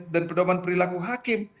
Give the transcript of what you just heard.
dan perdoman perilaku hakim